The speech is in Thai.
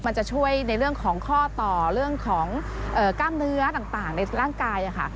มันจะช่วยในเรื่องของข้อต่อเรื่องของกล้ามเนื้อต่างในร่างกายค่ะ